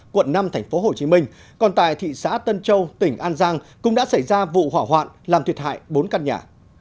quận năm tp hcm còn tại thị xã tân châu tỉnh an giang cũng đã xảy ra vụ hỏa hoạn làm thiệt hại bốn căn nhà